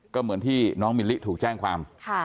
ก็เหมือนที่น้องมิลลิถูกแจ้งความ